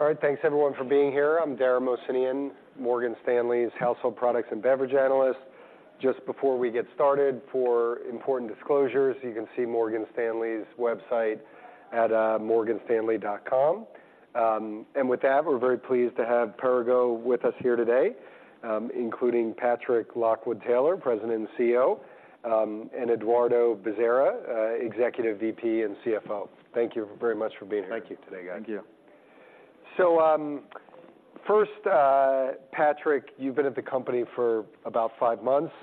All right, thanks everyone for being here. I'm Dara Mohsenian, Morgan Stanley's household products and beverage analyst. Just before we get started, for important disclosures, you can see Morgan Stanley's website at morganstanley.com. And with that, we're very pleased to have Perrigo with us here today, including Patrick Lockwood-Taylor, President and CEO, and Eduardo Bezerra, Executive VP and CFO. Thank you very much for being here. Thank you. Today. Thank you. So first, Patrick, you've been at the company for about five months.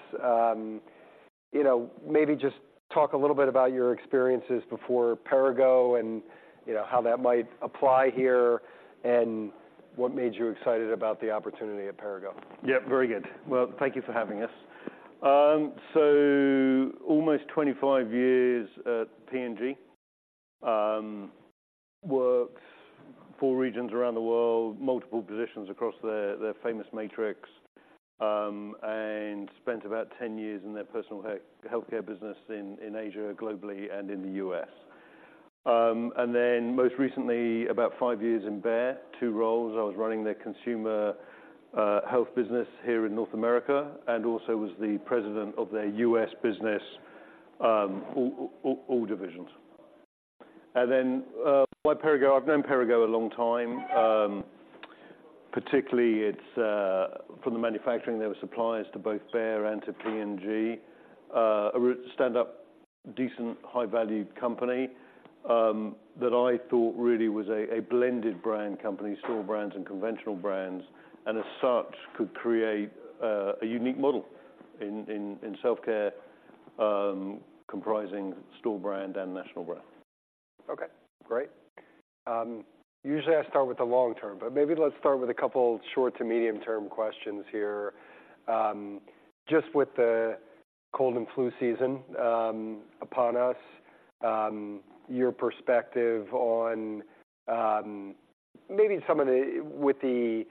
You know, maybe just talk a little bit about your experiences before Perrigo and, you know, how that might apply here, and what made you excited about the opportunity at Perrigo? Yeah, very good. Well, thank you for having us. So almost 25 years at P&G, worked four regions around the world, multiple positions across their famous matrix, and spent about 10 years in their personal healthcare business in Asia, globally, and in the US And then most recently, about five years in Bayer, two roles. I was running their consumer health business here in North America, and also was the president of their US business, all divisions. And then, why Perrigo? I've known Perrigo a long time. Particularly, it's from the manufacturing, they were suppliers to both Bayer and to P&G. A stand-up, decent, high-value company that I thought really was a blended brand company, store brands and conventional brands, and as such, could create a unique model in self-care, comprising store brand and national brand. Okay, great. Usually I start with the long term, but maybe let's start with a couple short to medium term questions here. Just with the cold and flu season upon us, your perspective on, maybe some of the with the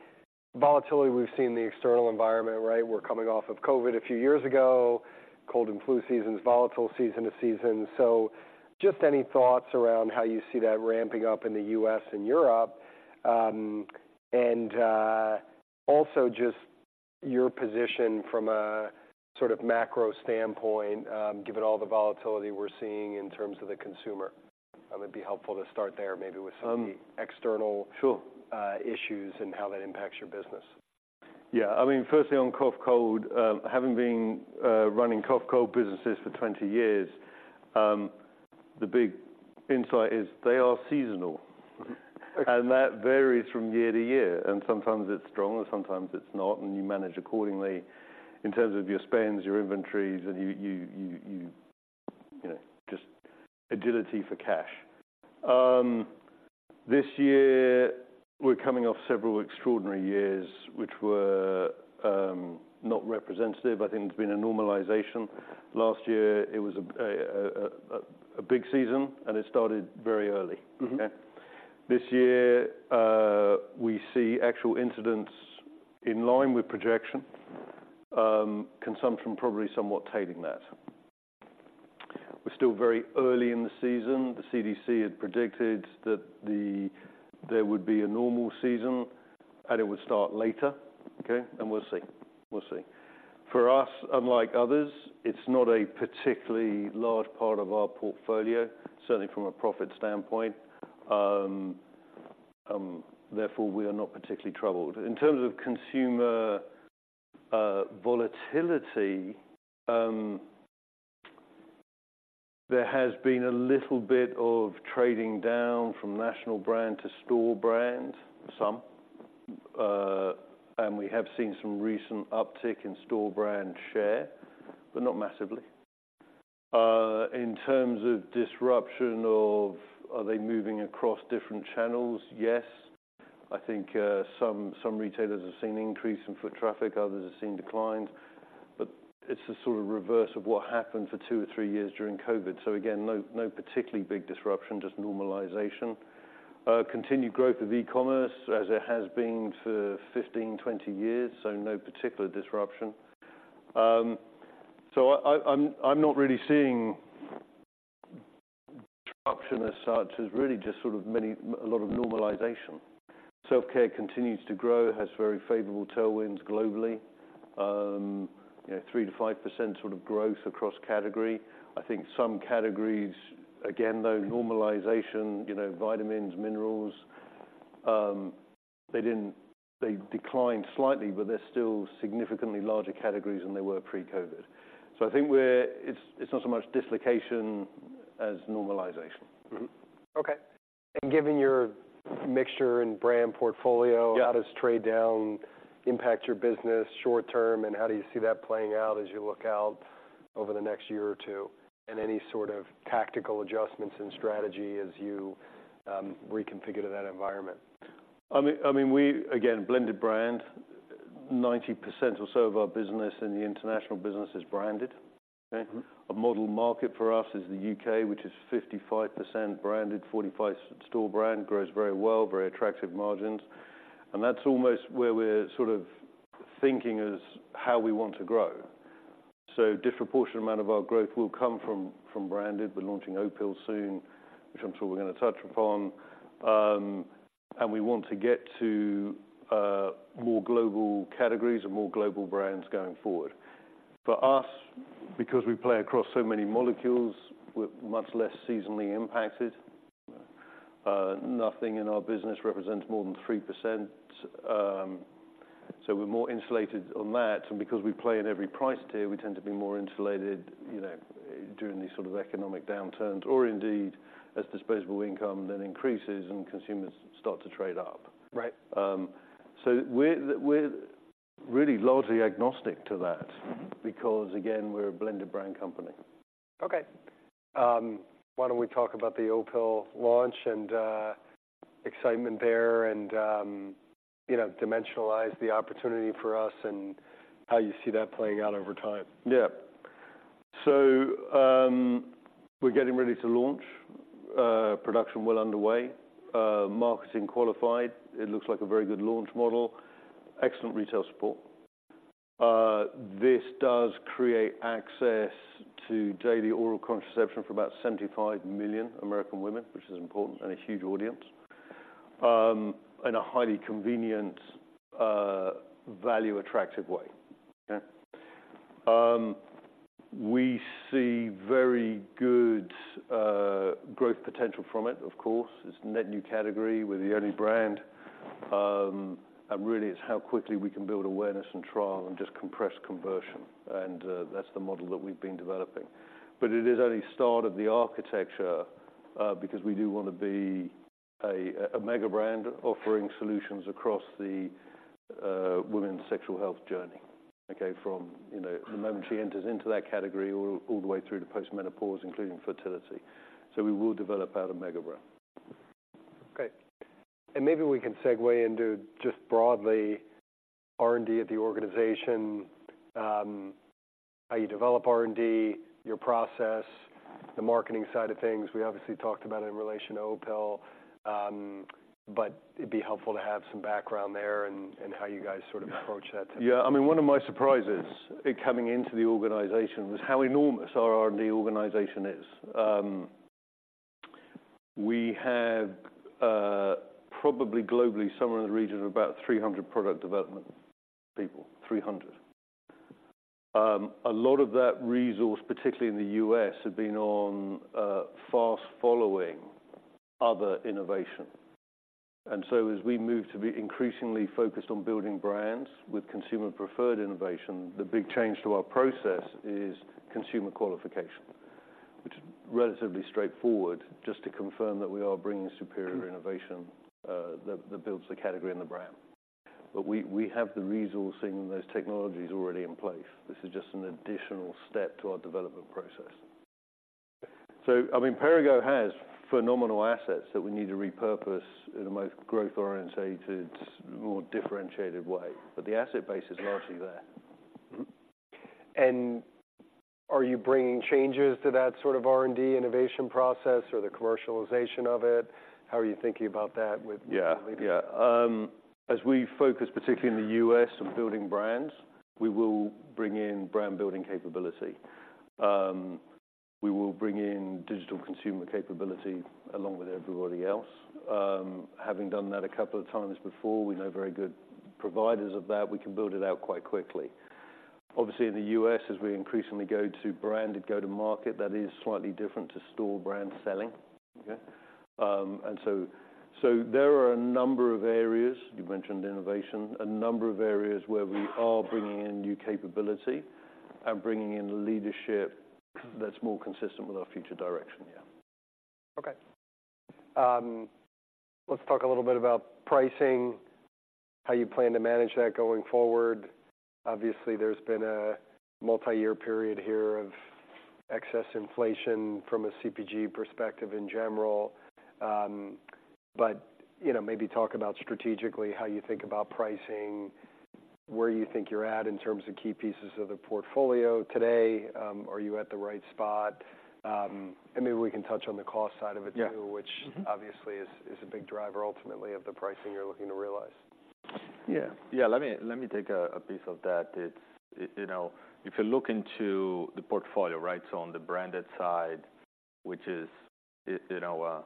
volatility we've seen in the external environment, right? We're coming off of COVID a few years ago. Cold and flu season is volatile season to season. So just any thoughts around how you see that ramping up in the US and Europe. And also just your position from a sort of macro standpoint, given all the volatility we're seeing in terms of the consumer. That would be helpful to start there, maybe with some external- Sure -issues and how that impacts your business. Yeah. I mean, firstly, on cough, cold, having been running cough, cold businesses for 20 years, the big insight is they are seasonal. Okay. That varies from year to year, and sometimes it's strong, and sometimes it's not, and you manage accordingly in terms of your spends, your inventories, and you know, just agility for cash. This year, we're coming off several extraordinary years, which were not representative. I think there's been a normalization. Last year, it was a big season, and it started very early. Mm-hmm. Okay? This year, we see actual incidents in line with projection, consumption probably somewhat tailing that. We're still very early in the season. The CDC had predicted that there would be a normal season, and it would start later, okay? We'll see. We'll see. For us, unlike others, it's not a particularly large part of our portfolio, certainly from a profit standpoint. Therefore, we are not particularly troubled. In terms of consumer volatility, there has been a little bit of trading down from national brand to store brand, some, and we have seen some recent uptick in store brand share, but not massively. In terms of disruption, of are they moving across different channels? Yes. I think some retailers have seen an increase in foot traffic, others have seen declines, but it's the sort of reverse of what happened for 2 or 3 years during COVID. So again, no particularly big disruption, just normalization. Continued growth of e-commerce as it has been for 15, 20 years, so no particular disruption. So I'm not really seeing disruption as such, as really just sort of a lot of normalization. Self-care continues to grow, has very favorable tailwinds globally. You know, 3%-5% sort of growth across category. I think some categories, again, though, normalization, you know, vitamins, minerals, they declined slightly, but they're still significantly larger categories than they were pre-COVID. So I think it's not so much dislocation as normalization. Mm-hmm. Okay. Given your mixture and brand portfolio, Yeah how does trade down impact your business short term, and how do you see that playing out as you look out over the next year or two? Any sort of tactical adjustments in strategy as you reconfigure to that environment. I mean, I mean, we, again, blended brand. 90% or so of our business in the international business is branded, okay? Mm-hmm. A model market for us is the UK, which is 55% branded, 45 store brand. Grows very well, very attractive margins, and that's almost where we're sort of thinking as how we want to grow. So a disproportionate amount of our growth will come from, from branded. We're launching Opill soon, which I'm sure we're gonna touch upon. And we want to get to more global categories and more global brands going forward. For us, because we play across so many molecules, we're much less seasonally impacted. Nothing in our business represents more than 3%, so we're more insulated on that. And because we play in every price tier, we tend to be more insulated, you know, during these sort of economic downturns, or indeed, as disposable income then increases and consumers start to trade up. Right. We're really largely agnostic to that because, again, we're a blended brand company. Okay. Why don't we talk about the Opill launch and excitement there, and you know, dimensionalize the opportunity for us and how you see that playing out over time? Yeah. So, we're getting ready to launch. Production well underway, marketing qualified. It looks like a very good launch model, excellent retail support. This does create access to daily oral contraception for about 75 million American women, which is important and a huge audience, in a highly convenient, value attractive way. Okay. We see very good growth potential from it, of course. It's a net new category. We're the only brand. And really, it's how quickly we can build awareness and trial and just compress conversion, and that's the model that we've been developing. But it is only start of the architecture, because we do want to be a mega brand offering solutions across the women's sexual health journey. Okay, from you know, the moment she enters into that category, all, all the way through to post-menopause, including fertility. So we will develop out a mega brand. Okay. Maybe we can segue into just broadly, R&D at the organization. How you develop R&D, your process, the marketing side of things. We obviously talked about it in relation to Opill, but it'd be helpful to have some background there and how you guys sort of approach that. Yeah, I mean, one of my surprises in coming into the organization was how enormous our R&D organization is. We have, probably globally, somewhere in the region of about 300 product development people, 300. A lot of that resource, particularly in the US, have been on fast following other innovation. And so as we move to be increasingly focused on building brands with consumer-preferred innovation, the big change to our process is consumer qualification, which is relatively straightforward, just to confirm that we are bringing superior innovation, that builds the category and the brand. But we have the resourcing and those technologies already in place. This is just an additional step to our development process. So, I mean, Perrigo has phenomenal assets that we need to repurpose in a most growth-oriented, more differentiated way, but the asset base is largely there. Mm-hmm. And are you bringing changes to that sort of R&D innovation process or the commercialization of it? How are you thinking about that with- Yeah, yeah. As we focus, particularly in the US and building brands, we will bring in brand-building capability. We will bring in digital consumer capability along with everybody else. Having done that a couple of times before, we know very good providers of that. We can build it out quite quickly. Obviously, in the US, as we increasingly go to branded, go to market, that is slightly different to store brand selling. Okay? And so there are a number of areas, you mentioned innovation, a number of areas where we are bringing in new capability and bringing in leadership that's more consistent with our future direction, yeah. Okay. Let's talk a little bit about pricing, how you plan to manage that going forward. Obviously, there's been a multi-year period here of excess inflation from a CPG perspective in general. But, you know, maybe talk about strategically, how you think about pricing, where you think you're at in terms of key pieces of the portfolio today. Are you at the right spot? And maybe we can touch on the cost side of it, too. Yeah. which obviously is a big driver, ultimately, of the pricing you're looking to realize. Yeah, yeah. Let me take a piece of that. It's you know, if you look into the portfolio, right? So on the branded side, which is, you know,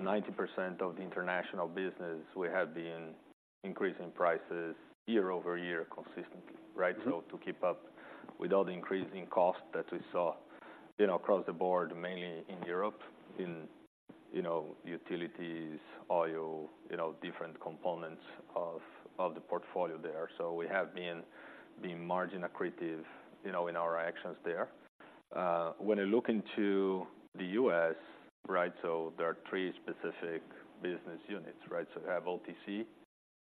90% of the international business, we have been increasing prices year-over-year, consistently, right? Mm-hmm. So to keep up with all the increasing costs that we saw, you know, across the board, mainly in Europe, in, you know, utilities, oil, you know, different components of, of the portfolio there. So we have been being margin accretive, you know, in our actions there. When you look into the US, right, so there are three specific business units, right? So you have OTC,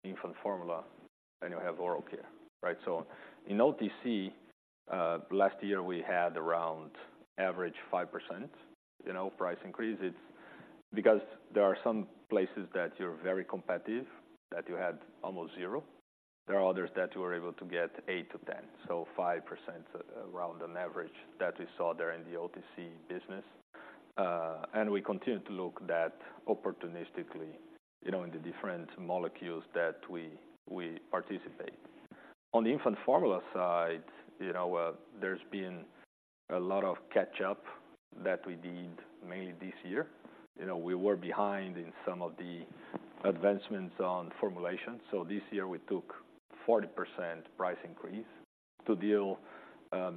infant formula, and you have oral care, right? So in OTC, last year, we had around average 5%, you know, price increase. It's because there are some places that you're very competitive, that you had almost zero. There are others that you were able to get 8-10, so 5% around an average that we saw there in the OTC business and we continue to look that opportunistically, you know, in the different molecules that we, we participate. On the infant formula side, you know, there's been a lot of catch up that we did mainly this year. You know, we were behind in some of the advancements on formulation, so this year we took 40% price increase to deal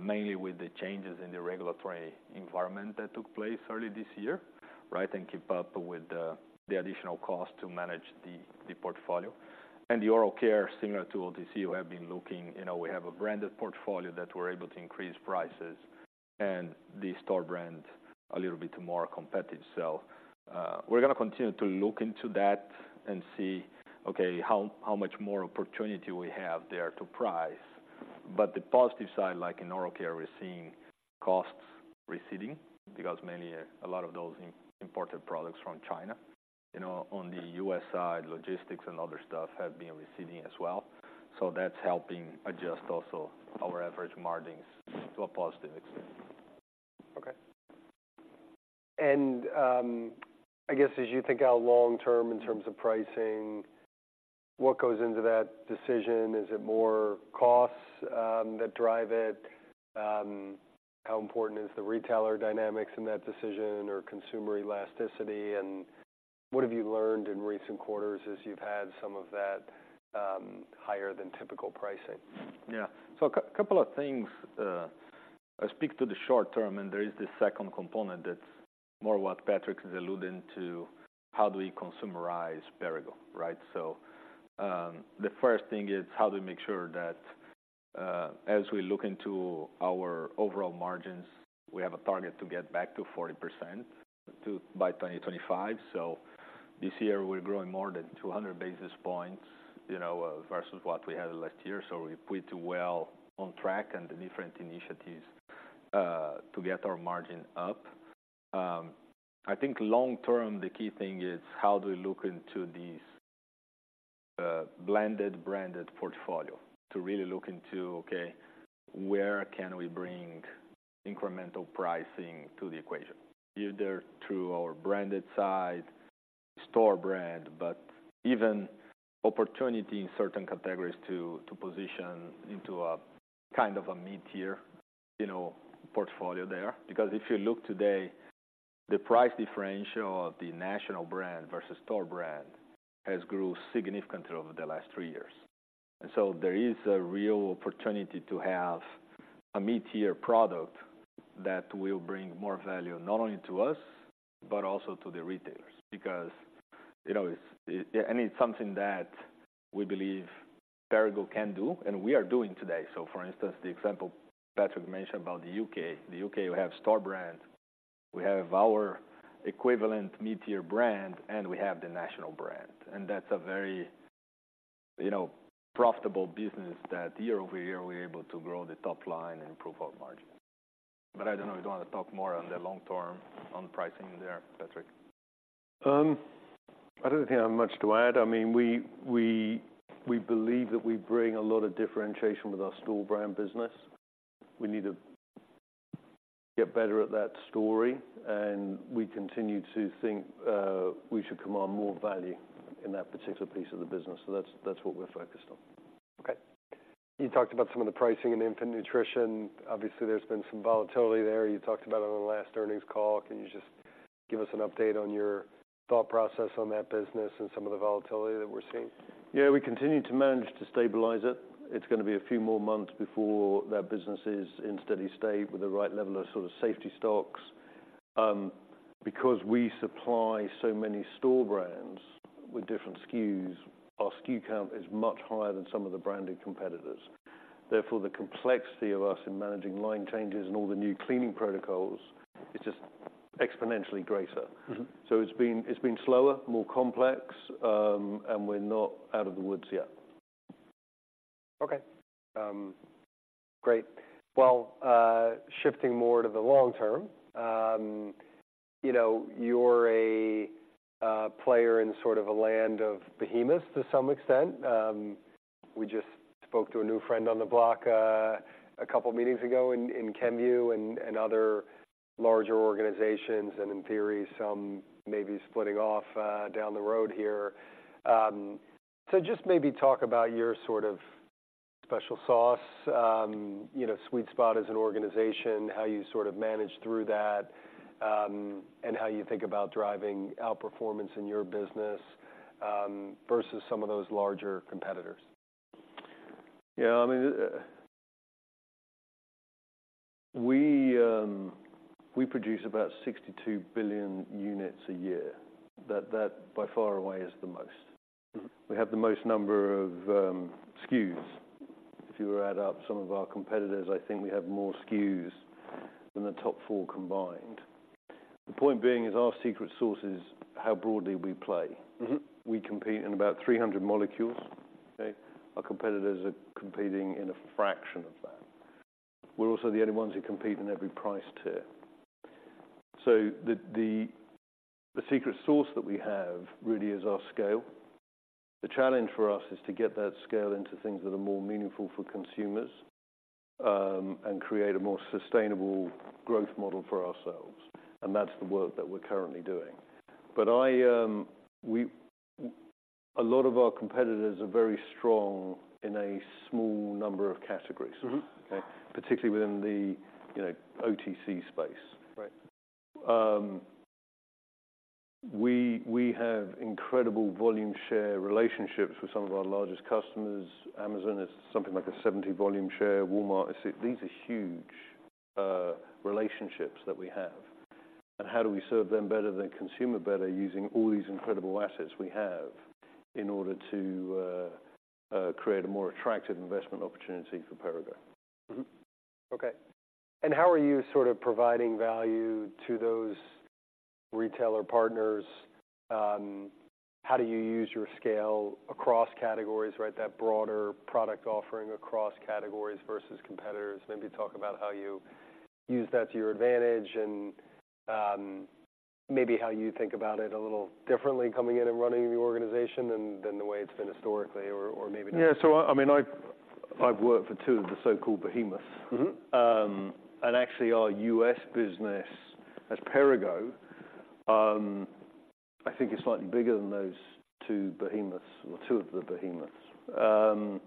mainly with the changes in the regulatory environment that took place early this year, right? And keep up with the additional cost to manage the portfolio. And the oral care, similar to OTC, we have been looking. You know, we have a branded portfolio that we're able to increase prices and the store brand a little bit more competitive. So, we're gonna continue to look into that and see, okay, how much more opportunity we have there to price. But the positive side, like in oral care, we're seeing costs receding because mainly a lot of those imported products from China. You know, on the US side, logistics and other stuff have been receding as well, so that's helping adjust also our average margins to a positive extent. Okay. And, I guess as you think out long term in terms of pricing, what goes into that decision? Is it more costs, that drive it? How important is the retailer dynamics in that decision or consumer elasticity, and what have you learned in recent quarters as you've had some of that, higher than typical pricing? Yeah. So a couple of things. I speak to the short term, and there is this second component that's more what Patrick is alluding to: how do we consumerize Perrigo, right? So, the first thing is how do we make sure that, as we look into our overall margins, we have a target to get back to 40% by 2025. So this year, we're growing more than 200 basis points, you know, versus what we had last year. So we're pretty well on track and the different initiatives to get our margin up. I think long term, the key thing is how do we look into these blended branded portfolio? To really look into, okay, where can we bring incremental pricing to the equation, either through our branded side, store brand, but even opportunity in certain categories to position into a kind of a mid-tier, you know, portfolio there. Because if you look today, the price differential of the national brand versus store brand has grew significantly over the last three years. And so there is a real opportunity to have a mid-tier product that will bring more value not only to us, but also to the retailers. Because, you know, and it's something that we believe Perrigo can do and we are doing today. So for instance, the example Patrick mentioned about the UK. The UK, we have store brands, we have our equivalent mid-tier brand, and we have the national brand, and that's a very, you know, profitable business that year-over-year, we're able to grow the top line and improve our margin. But I don't know, you want to talk more on the long term on pricing there, Patrick? I don't think I have much to add. I mean, we believe that we bring a lot of differentiation with our store brand business. We need to get better at that story, and we continue to think, we should command more value in that particular piece of the business. So that's what we're focused on. Okay. You talked about some of the pricing in infant nutrition. Obviously, there's been some volatility there. You talked about it on the last earnings call. Can you just give us an update on your thought process on that business and some of the volatility that we're seeing? Yeah, we continue to manage to stabilize it. It's gonna be a few more months before that business is in steady state with the right level of sort of safety stocks. Because we supply so many store brands with different SKUs, our SKU count is much higher than some of the branded competitors. Therefore, the complexity of us in managing line changes and all the new cleaning protocols is just exponentially greater. Mm-hmm. It's been, it's been slower, more complex, and we're not out of the woods yet. Okay. Great. Well, shifting more to the long term. You know, you're a player in sort of a land of behemoths to some extent. We just spoke to a new friend on the block, a couple of meetings ago in Kenvue and other larger organizations, and in theory, some may be splitting off down the road here. So just maybe talk about your sort of special sauce, you know, sweet spot as an organization, how you sort of manage through that, and how you think about driving outperformance in your business versus some of those larger competitors. Yeah, I mean, we produce about 62 billion units a year. That, by far away, is the most. Mm-hmm. We have the most number of SKUs. If you were to add up some of our competitors, I think we have more SKUs than the top four combined. The point being is our secret sauce is how broadly we play. Mm-hmm. We compete in about 300 molecules. Okay? Our competitors are competing in a fraction of that. We're also the only ones who compete in every price tier. So the secret sauce that we have really is our scale. The challenge for us is to get that scale into things that are more meaningful for consumers, and create a more sustainable growth model for ourselves, and that's the work that we're currently doing. But a lot of our competitors are very strong in a small number of categories. Mm-hmm. Okay? Particularly within the, you know, OTC space. Right. We have incredible volume share relationships with some of our largest customers. Amazon is something like a 70 volume share. Walmart is these are huge relationships that we have. And how do we serve them better, the consumer better, using all these incredible assets we have in order to create a more attractive investment opportunity for Perrigo? Mm-hmm. Okay. And how are you sort of providing value to those retailer partners? How do you use your scale across categories, right? That broader product offering across categories versus competitors. Maybe talk about how you use that to your advantage and, maybe how you think about it a little differently coming in and running the organization than the way it's been historically or maybe not. Yeah. So I mean, I've worked for two of the so-called behemoths. Mm-hmm. Actually, our US business as Perrigo, I think is slightly bigger than those two behemoths, or two of the behemoths.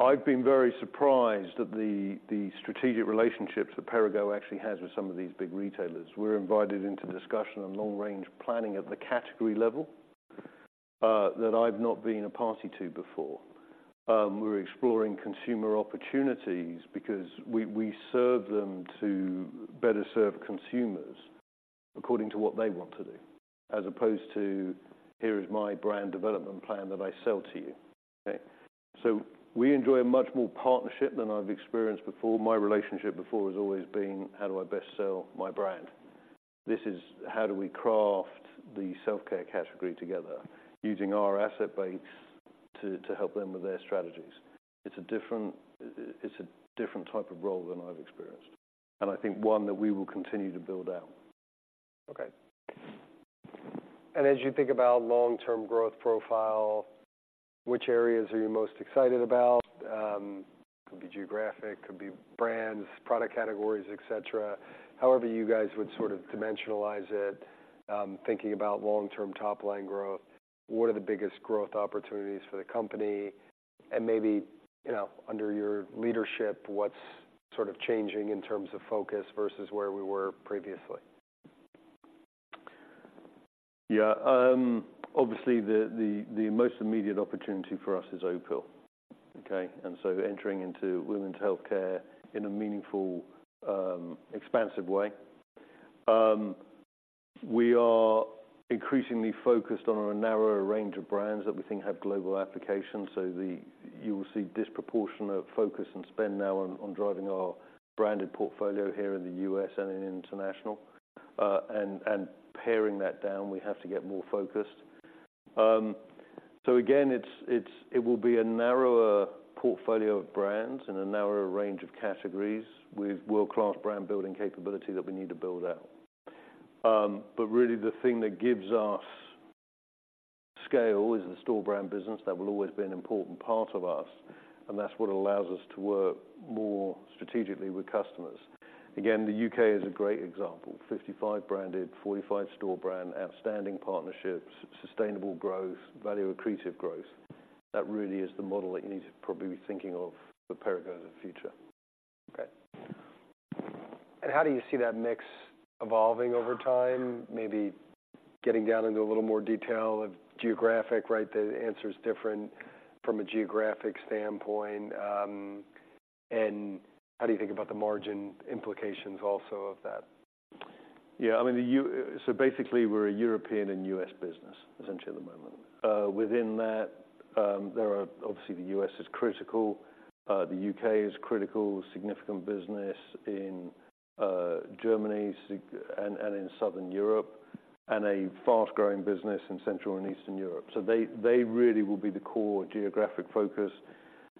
I've been very surprised at the strategic relationships that Perrigo actually has with some of these big retailers. We're invited into discussion on long-range planning at the category level, that I've not been a party to before. We're exploring consumer opportunities because we serve them to better serve consumers according to what they want to do, as opposed to, "Here is my brand development plan that I sell to you," okay? So we enjoy a much more partnership than I've experienced before. My relationship before has always been, how do I best sell my brand? This is, how do we craft the self-care category together using our asset base to help them with their strategies? It's a different, it's a different type of role than I've experienced, and I think one that we will continue to build out. Okay. And as you think about long-term growth profile, which areas are you most excited about? Could be geographic, could be brands, product categories, et cetera. However, you guys would sort of dimensionalize it, thinking about long-term top-line growth, what are the biggest growth opportunities for the company? And maybe, you know, under your leadership, what's sort of changing in terms of focus versus where we were previously? Yeah. Obviously, the most immediate opportunity for us is Opill, okay? And so entering into women's healthcare in a meaningful, expansive way. We are increasingly focused on a narrower range of brands that we think have global application. So you will see disproportionate focus and spend now on driving our branded portfolio here in the US and in international. And paring that down, we have to get more focused. So again, it will be a narrower portfolio of brands and a narrower range of categories with world-class brand-building capability that we need to build out. But really, the thing that gives us scale is the store brand business. That will always be an important part of us, and that's what allows us to work more strategically with customers. Again, the UK is a great example. 55 branded, 45 store brand, outstanding partnerships, sustainable growth, value accretive growth. That really is the model that you need to probably be thinking of for Perrigo in the future. Okay. And how do you see that mix evolving over time? Maybe getting down into a little more detail of geographic, right? The answer is different from a geographic standpoint. And how do you think about the margin implications also of that? Yeah, I mean, so basically, we're a European and US business essentially at the moment. Within that, there are, obviously, the US is critical, the UK is critical, significant business in Germany, and in Southern Europe, and a fast-growing business in Central and Eastern Europe. So they really will be the core geographic focus.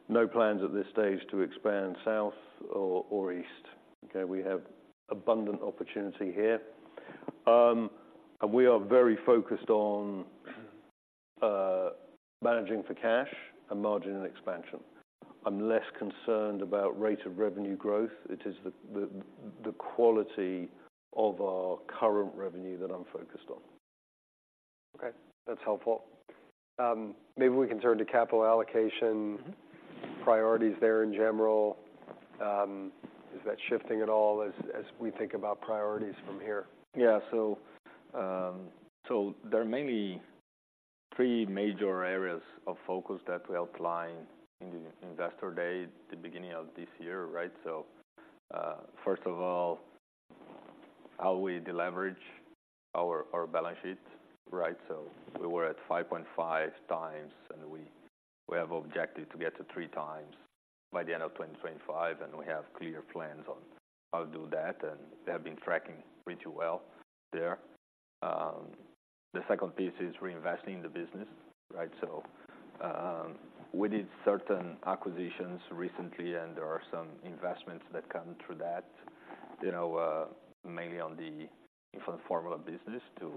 No plans at this stage to expand south or east. Okay, we have abundant opportunity here. And we are very focused on managing for cash and margin and expansion. I'm less concerned about rate of revenue growth. It is the quality of our current revenue that I'm focused on. Okay, that's helpful. Maybe we can turn to capital allocation- Mm-hmm. - priorities there in general. Is that shifting at all as we think about priorities from here? Yeah. So, so there are mainly three major areas of focus that we outlined in the Investor Day, the beginning of this year, right? So, first of all, how we deleverage our balance sheet, right? So we were at 5.5x, and we have objective to get to 3x by the end of 2025, and we have clear plans on how to do that, and they have been tracking pretty well there. The second piece is reinvesting in the business, right? So, we did certain acquisitions recently, and there are some investments that come through that, you know, mainly on the infant formula business to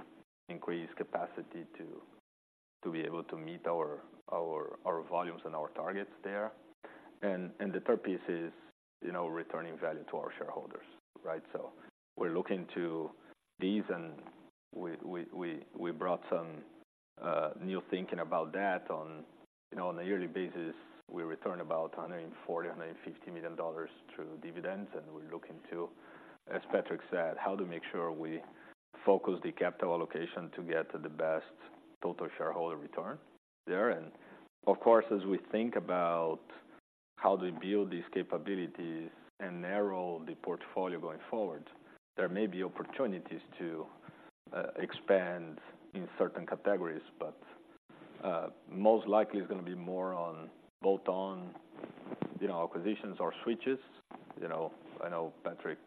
increase capacity to be able to meet our volumes and our targets there. And the third piece is, you know, returning value to our shareholders, right? We're looking to these, and we brought some new thinking about that. You know, on a yearly basis, we return about $140-$150 million through dividends, and we're looking to, as Patrick said, how to make sure we focus the capital allocation to get to the best total shareholder return there. And of course, as we think about how do we build these capabilities and narrow the portfolio going forward, there may be opportunities to expand in certain categories. But most likely it's gonna be more on bolt-on, you know, acquisitions or switches. You know, I know Patrick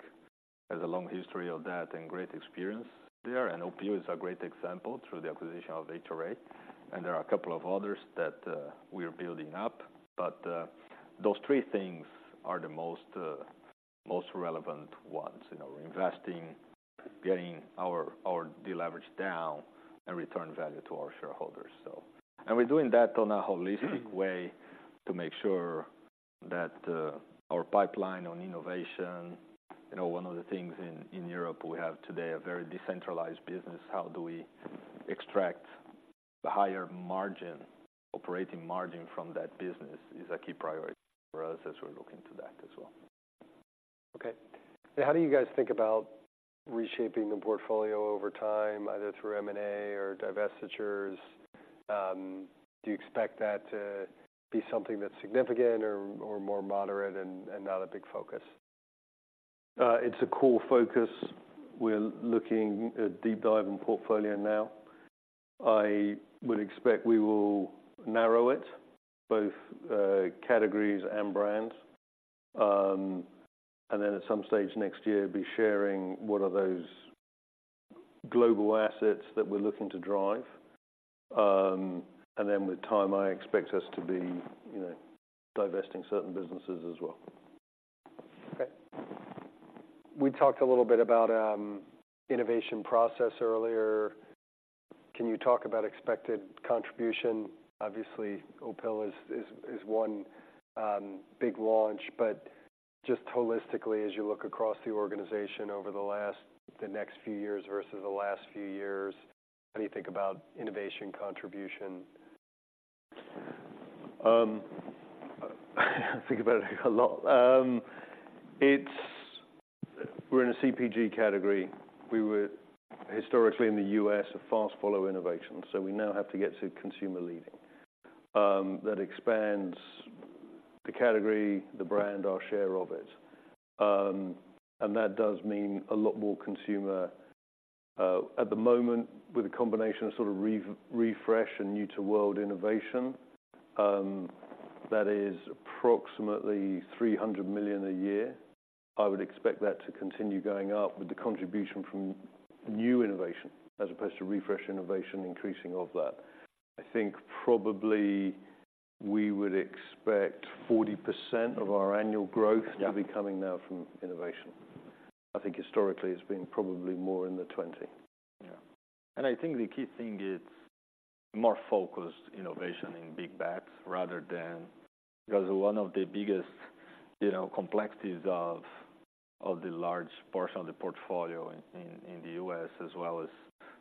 has a long history of that and great experience there, and Opill is a great example through the acquisition of HRA, and there are a couple of others that we are building up. Those three things are the most, most relevant ones. You know, investing, getting our deleverage down, and return value to our shareholders, so. We're doing that on a holistic way to make sure that, our pipeline on innovation. You know, one of the things in Europe, we have today a very decentralized business. How do we extract the higher margin, operating margin from that business is a key priority for us as we're looking to that as well. Okay. And how do you guys think about reshaping the portfolio over time, either through M&A or divestitures? Do you expect that to be something that's significant or, or more moderate and, and not a big focus? It's a core focus. We're looking a deep dive in portfolio now. I would expect we will narrow it, both, categories and brands. And then at some stage next year, be sharing what are those global assets that we're looking to drive. And then with time, I expect us to be, you know, divesting certain businesses as well. Okay. We talked a little bit about innovation process earlier. Can you talk about expected contribution? Obviously, Opill is one big launch, but just holistically, as you look across the organization over the last the next few years versus the last few years, how do you think about innovation contribution? I think about it a lot. We're in a CPG category. We were historically in the US, a fast follow innovation, so we now have to get to consumer leading. That expands the category, the brand, our share of it, and that does mean a lot more consumer. At the moment, with a combination of sort of refresh and new to world innovation, that is approximately $300 million a year. I would expect that to continue going up with the contribution from new innovation as opposed to refresh innovation, increasing of that. I think probably we would expect 40% of our annual growth- Yeah to be coming now from innovation. I think historically it's been probably more in the 20. Yeah. And I think the key thing is more focused innovation in big bets rather than. Because one of the biggest, you know, complexities of the large portion of the portfolio in the US, as well as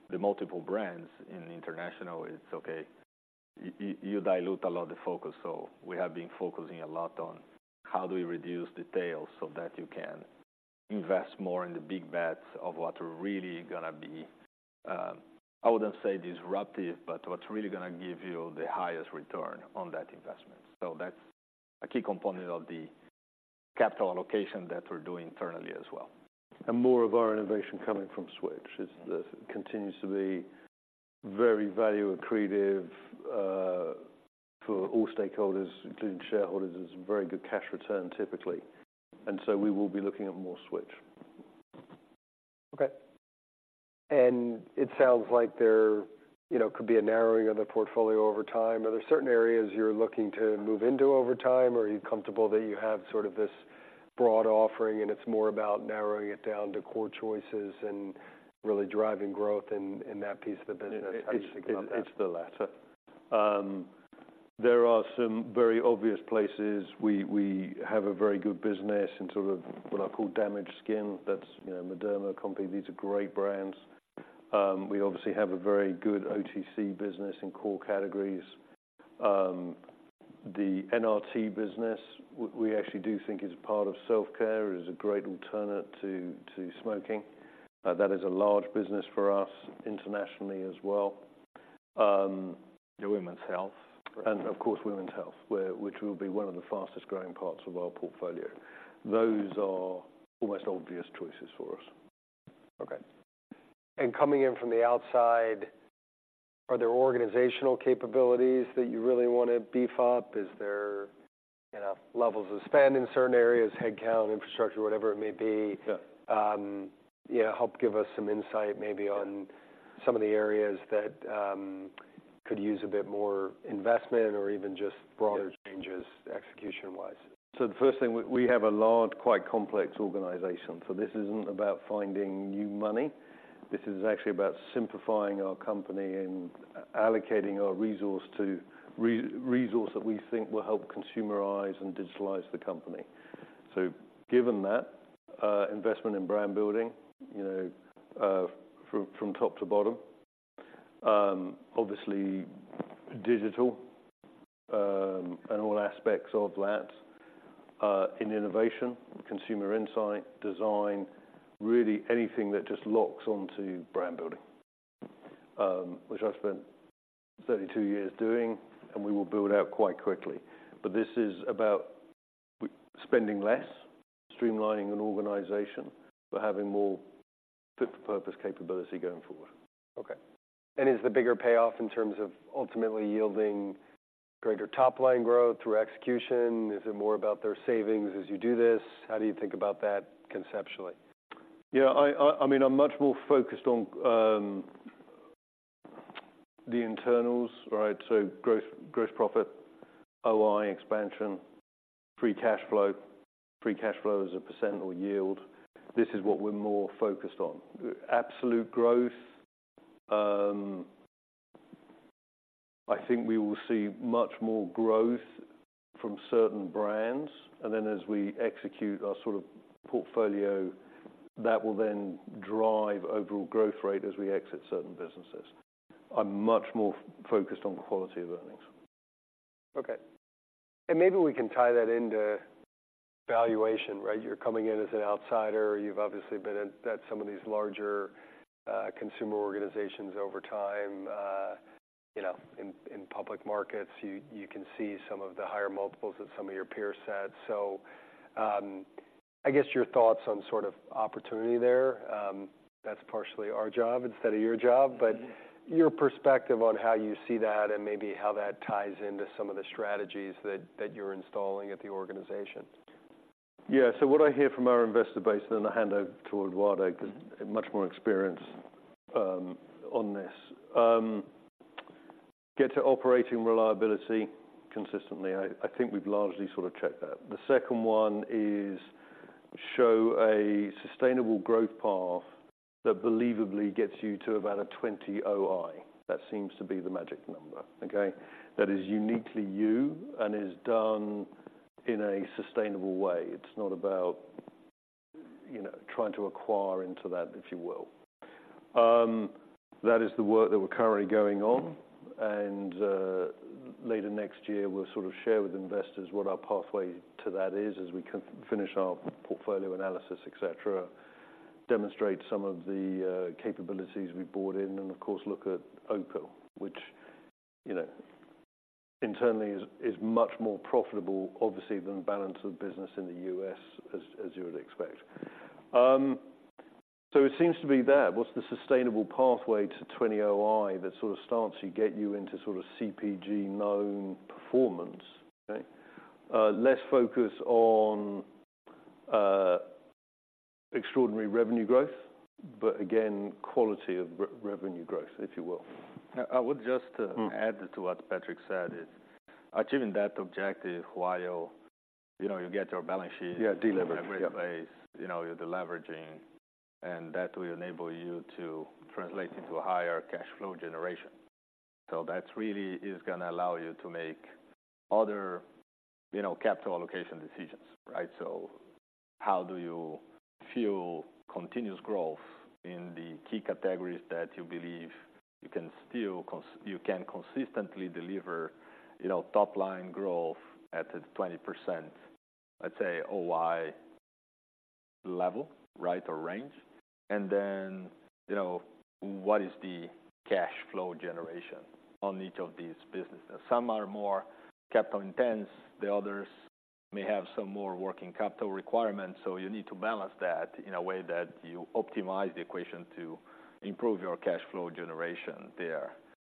the multiple brands in international, you dilute a lot the focus, so we have been focusing a lot on how do we reduce the tail so that you can invest more in the big bets of what are really gonna be, I wouldn't say disruptive, but what's really gonna give you the highest return on that investment. So that's a key component of the capital allocation that we're doing internally as well. And more of our innovation coming from switch continues to be very value accretive for all stakeholders, including shareholders. It's a very good cash return, typically, and so we will be looking at more switch. Okay. And it sounds like there, you know, could be a narrowing of the portfolio over time. Are there certain areas you're looking to move into over time, or are you comfortable that you have sort of this broad offering, and it's more about narrowing it down to core choices and really driving growth in, in that piece of the business? How do you think about that? It's the latter. There are some very obvious places. We have a very good business in sort of what I call damaged skin. That's, you know, Mederma company. These are great brands. We obviously have a very good OTC business in core categories. The NRT business, we actually do think is a part of self-care, is a great alternate to smoking. That is a large business for us internationally as well. The women's health. And of course, women's health, which will be one of the fastest growing parts of our portfolio. Those are almost obvious choices for us. Okay. And coming in from the outside, are there organizational capabilities that you really want to beef up? Is there, you know, levels of spend in certain areas, headcount, infrastructure, whatever it may be? Yeah. Yeah, help give us some insight maybe on- Yeah some of the areas that could use a bit more investment or even just broader- Yeah -changes execution-wise. So the first thing, we have a large, quite complex organization, so this isn't about finding new money. This is actually about simplifying our company and allocating our resource to re-resource that we think will help consumerize and digitalize the company. So given that, investment in brand building, you know, from top to bottom, obviously digital, and all aspects of that, in innovation, consumer insight, design, really anything that just locks onto brand building, which I've spent 32 years doing, and we will build out quite quickly. But this is about spending less, streamlining an organization, but having more fit-for-purpose capability going forward. Okay. Is the bigger payoff in terms of ultimately yielding greater top-line growth through execution? Is it more about their savings as you do this? How do you think about that conceptually? Yeah, I mean, I'm much more focused on the internals, right? So growth, gross profit, OI expansion, free cash flow. Free cash flow as a percent or yield. This is what we're more focused on. Absolute growth, I think we will see much more growth from certain brands, and then as we execute our sort of portfolio, that will then drive overall growth rate as we exit certain businesses. I'm much more focused on the quality of earnings. Okay. And maybe we can tie that into valuation, right? You're coming in as an outsider. You've obviously been at some of these larger consumer organizations over time. You know, in public markets, you can see some of the higher multiples that some of your peers set. So, I guess your thoughts on sort of opportunity there, that's partially our job instead of your job, but your perspective on how you see that and maybe how that ties into some of the strategies that you're installing at the organization. Yeah. So what I hear from our investor base, and then I'll hand over to Eduardo, because he's much more experienced on this. Get to operating reliability consistently. I think we've largely sort of checked that. The second one is show a sustainable growth path that believably gets you to about a 20 OI. That seems to be the magic number, okay? That is uniquely you and is done in a sustainable way. It's not about, you know, trying to acquire into that, if you will. That is the work that we're currently going on. Mm-hmm. Later next year, we'll sort of share with investors what our pathway to that is, as we conclude our portfolio analysis, et cetera, demonstrate some of the capabilities we've brought in, and of course, look at OTC, which, you know, internally is much more profitable, obviously, than the balance of the business in the US, as you would expect. So it seems to be that, what's the sustainable pathway to 20 OI that sort of starts to get you into sort of CPG known performance, okay? Less focus on extraordinary revenue growth, but again, quality of revenue growth, if you will. I would just, Mm Add to what Patrick said, is achieving that objective while, you know, you get your balance sheet. Yeah, delivered In great place, you know, you're deleveraging, and that will enable you to translate into a higher cash flow generation. So that really is gonna allow you to make other, you know, capital allocation decisions, right? So how do you fuel continuous growth in the key categories that you believe you can still consistently deliver, you know, top-line growth at a 20%, let's say, OI level, right, or range? And then, you know, what is the cash flow generation on each of these businesses? Some are more capital intense. The others may have some more working capital requirements, so you need to balance that in a way that you optimize the equation to improve your cash flow generation there,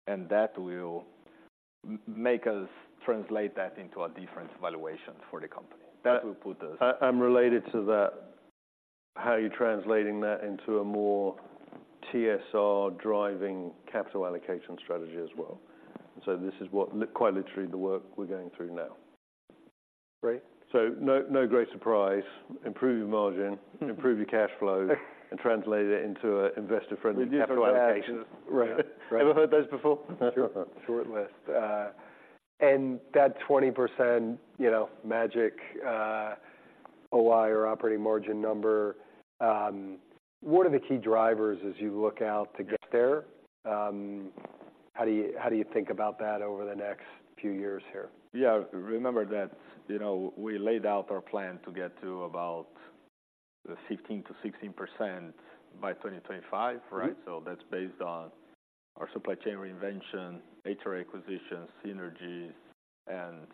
and that will make us translate that into a different valuation for the company. That will put us- And related to that, how are you translating that into a more TSR-driving capital allocation strategy as well? So this is what, quite literally, the work we're going through now. Right. So no, no great surprise. Improve your margin- Mm. improve your cash flow and translate it into an investor-friendly capital allocation. Right. Right. Ever heard this before? Sure. Short list. And that 20%, you know, magic OI or operating margin number, what are the key drivers as you look out to get there? How do you, how do you think about that over the next few years here? Yeah. Remember that, you know, we laid out our plan to get to about 15%-16% by 2025, right? Mm-hmm. So that's based on our supply chain reinvention, HRA acquisitions, synergies, and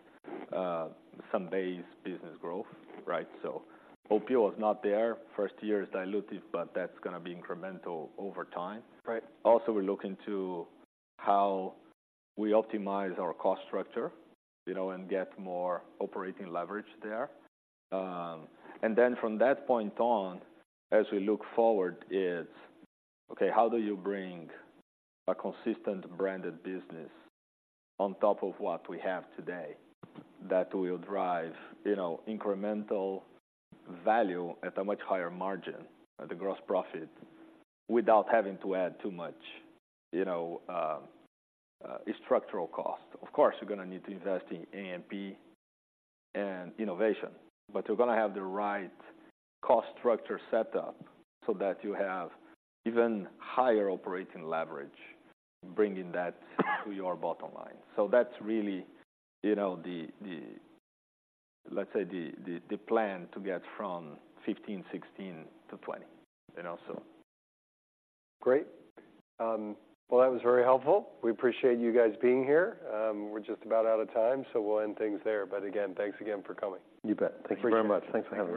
some base business growth, right? So Opill is not there. First year is dilutive, but that's gonna be incremental over time. Right. Also, we're looking to how we optimize our cost structure, you know, and get more operating leverage there. And then from that point on, as we look forward, is, okay, how do you bring a consistent branded business on top of what we have today that will drive, you know, incremental value at a much higher margin, at the gross profit, without having to add too much, you know, structural cost? Of course, you're gonna need to invest in A&P and innovation, but you're gonna have the right cost structure set up so that you have even higher operating leverage, bringing that to your bottom line. So that's really, you know, the plan to get from 15, 16 to 20, you know, so. Great. Well, that was very helpful. We appreciate you guys being here. We're just about out of time, so we'll end things there. But again, thanks again for coming. You bet. Appreciate it. Thank you very much. Thanks for having us.